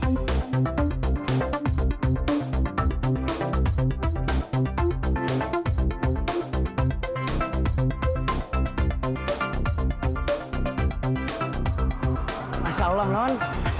masya allah non